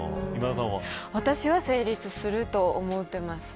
私は成立すると思ってます。